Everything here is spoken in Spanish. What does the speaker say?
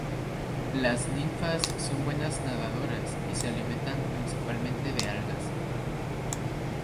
Las ninfas son buenas nadadoras y se alimentan principalmente de algas.